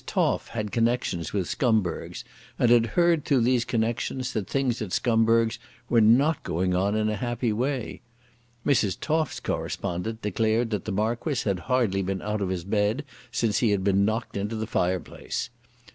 Toff had connections with Scumberg's, and heard through these connections that things at Scumberg's were not going on in a happy way. Mrs. Toff's correspondent declared that the Marquis had hardly been out of his bed since he had been knocked into the fireplace. Mrs.